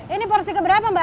ini porsi keberapa mbak